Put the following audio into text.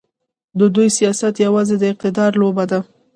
د دوی سیاست یوازې د اقتدار لوبه ده.